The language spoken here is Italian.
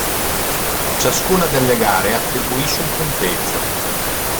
Ciascuna delle gare attribuisce un punteggio.